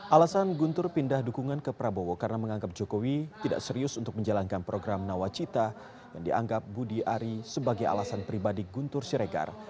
alasan guntur pindah dukungan ke prabowo karena menganggap jokowi tidak serius untuk menjalankan program nawacita yang dianggap budi ari sebagai alasan pribadi guntur siregar